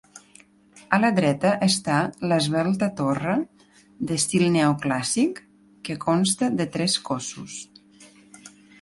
A la dreta està l'esvelta torre, d'estil neoclàssic, que consta de tres cossos.